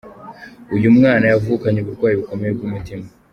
Uyu mwana yavukanye uburwayi bukomeye bw'umutima.